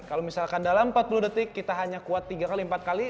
kalau misalkan dalam empat puluh detik kita hanya kuat tiga kali empat kali